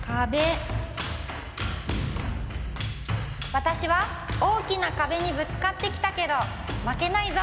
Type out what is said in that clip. わたしはおおきな壁にぶつかってきたけどまけないぞ！